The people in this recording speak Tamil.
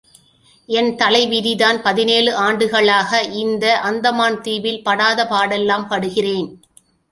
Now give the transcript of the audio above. என் தலைவிதிதான் பதினேழு ஆண்டுகளாக இந்த அந்தமான் தீவில் படாத பாடெல்லாம் படுகிறேன்.